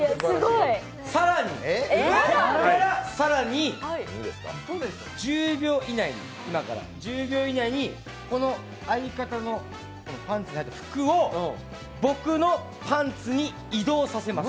更に、ここから更に今から１０秒以内にこの相方のパンツに入った服を僕のパンツに移動させます。